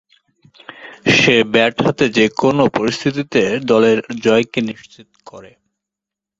সে bat হাতে যে-কোন পরিস্থিতিতে দলের জয়কে নিশ্চিত করে।